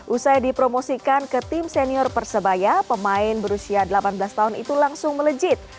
usai dipromosikan ke tim senior persebaya pemain berusia delapan belas tahun itu langsung melejit